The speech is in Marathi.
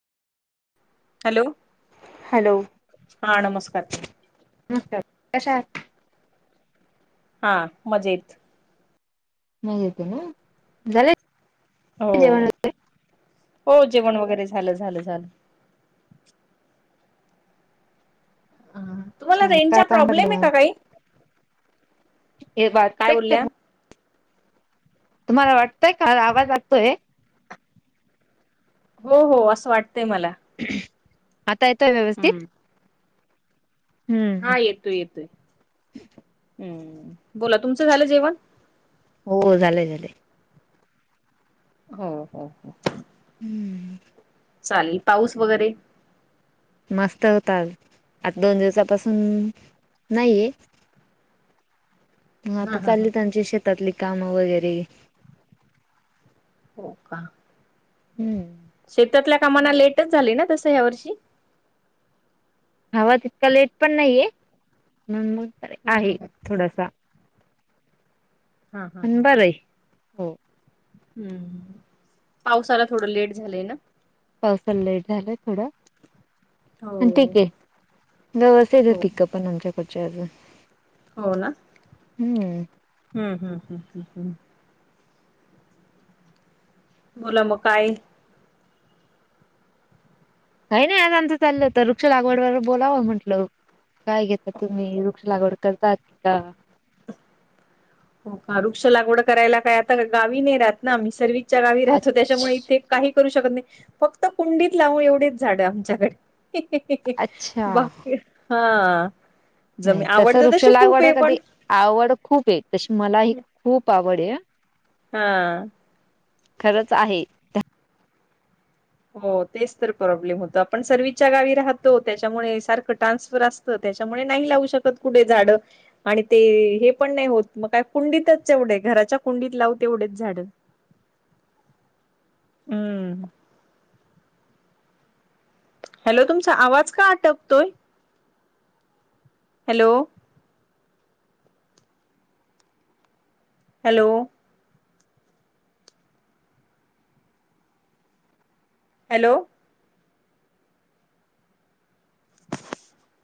हॅलो? हॅलो हा नमस्कार ताई. नमस्कार, कशा आहात? हा मजेत. नाही येत ना? झाले? जेवण? हो. हो जेवण वगैरे झालं झालं झालं. अ तुम्हाला अच्छा काय रेंजचा काम पडलं प्रॉब्लेम आहे मग? का काही? हे काय बोलल्या वाचत [unintelligible] तुम्हाला वाटतय का आवाज जातोय? हो हो असं वाटतंय मला. हम्म आता येतोय व्यवस्थित? हम्म हम्म हा येतोय येतोय, हम्म. बोला तुमचं झालं जेवण? हो झालंय झालय हो हो हो. हम्म. चालेल पाऊस वगैरे? मस्त होता आज, आता दोन दिवसापासून नाहीये. मग हा आता हा हा चालली त्यांची शेतातली कामं वगैरे हो का? हम्म. शेतातल्या कामांना लेटच झाली ना, तसं या वर्षी? हवा तितका लेट पण नाहीेये, [unintelligible] म मग हम्म आहे हम्म थोडासा. हा हा पण हा हा. बरं आहे. हो हम्म. पावसाला थोडं लेट झालंय ना? पावसाला लेट झालंय थोडं हो पण ठीक आहे, गस हो [unintelligible] पिकअप. पण आमच्याकडच्या अजून हो ना. हम्म हम्म हम्म हम् हम् हम्. बोला मग काय? काही नाही आज आमचं चाललं होत, वृक्ष लागवड वर बोलावं म्हटलं. काय घेता तुम्ही? वृक्ष लागवड करतात का? हो का, वृक्ष लागवड करायला काय आता गावी नाही राहत ना, आम्ही सर्विसच्या गावी राहतो त्याच्यामुळे अच्छ ते काही करू शकत नाही फक्त, कुंडीत लावू एवढेच झाड आमच्याकडे. अच्छा बाकी हा. नाही जमी, तसं आवडत वृक्ष तशी खूप लागवड आहे पण. कधी आवड खूप आहे, तशी मला ही खूप आवड आहे. हा. खरंच आहे. हो, तेच तर प्रॉब्लेम होतो, आपण सर्विसच्या गावी राहतो त्याच्यामुळे सारखं ट्रान्सफर अस त, त्याच्यामुळे नाही लावू शकत कुठे झाडं. आणि ते हे पण नाही होत, मग काय कुंडीतच तेवढे घराच्या कुंडीत लाव तेवढेच झाड. [inaudible] हम्म. हॅलो, तुमचा आवाज का अटकतोय? हॅलो? हॅलो. हॅलो.